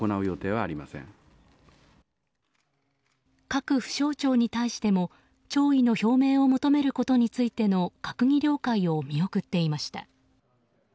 各府省庁に対しても弔意の表明を求めることについての閣議了解を見送っていました。